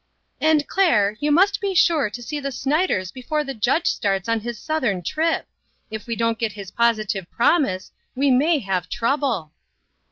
"And, Claire, you must be sure to see the Snyders before the judge starts on his South ern trip ! If we don't get his positive prom ise, we may have trouble."